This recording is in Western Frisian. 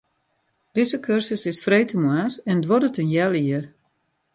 Dizze kursus is freedtemoarns en duorret in heal jier.